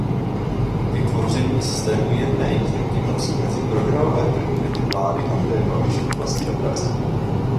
Vytvoření systému jedné jízdenky patří mezi programové priority vlády Andreje Babiše v oblasti dopravy.